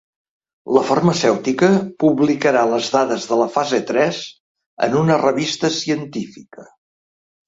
La farmacèutica publicarà les dades de la fase tres en una revista científica.